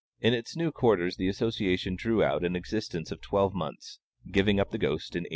In its new quarters the association drew out an existence of twelve months, giving up the ghost in 1840.